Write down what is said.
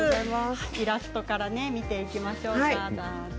イラストから見ていきましょうか。